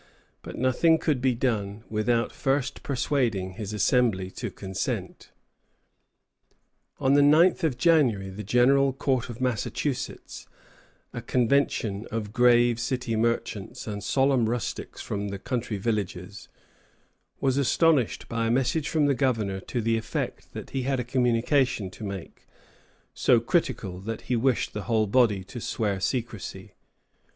But nothing could be done without first persuading his Assembly to consent. On the 9th of January the General Court of Massachusetts a convention of grave city merchants and solemn rustics from the country villages was astonished by a message from the Governor to the effect that he had a communication to make, so critical that he wished the whole body to swear secrecy.